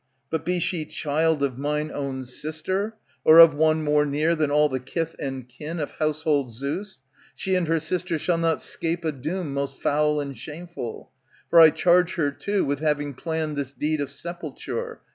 But be she child *57 ANTIGONE Of mine own sister, or of one more near Than all the kith and kin of Household Zeus, She and her sister shall not 'scape a doom Most foul and shameful ; for I charge her, too, With having planned this deed of sepulture.